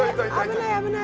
危ない危ない！